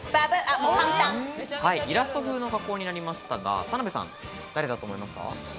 イラスト風の加工になりましたが、田辺さん誰だと思いますか？